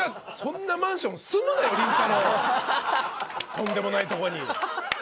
とんでもないとこに。